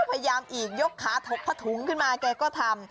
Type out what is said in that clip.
พยายามอีกยกขาถกผ้าถุงขึ้นมาแกก็ทำ